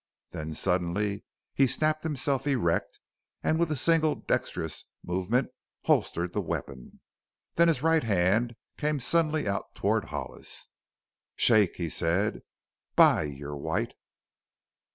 Then suddenly he snapped himself erect and with a single, dexterous movement holstered the weapon. Then his right hand came suddenly out toward Hollis. "Shake!" he said. "By , you're white!"